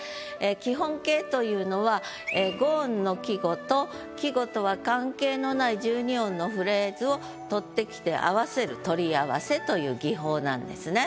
基本形というのは５音の季語と季語とは関係のない１２音のフレーズを取ってきて合わせる取り合わせという技法なんですね。